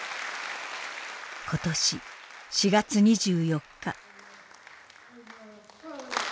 今年４月２４日。